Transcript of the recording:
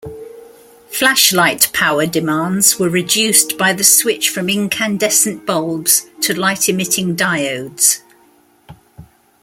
Flashlight power demands were reduced by the switch from incandescent bulbs to light-emitting diodes.